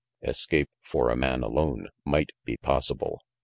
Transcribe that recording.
Escape, for a man alone, might be possible.